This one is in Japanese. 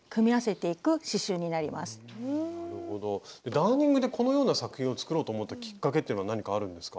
ダーニングでこのような作品を作ろうと思ったきっかけっていうのは何かあるんですか？